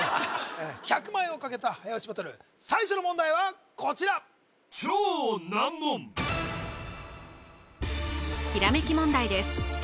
１００万円をかけた早押しバトル最初の問題はこちらひらめき問題です